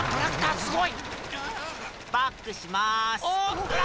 ・すごい！